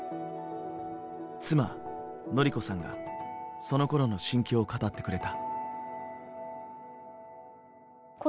妻典子さんがそのころの心境を語ってくれた。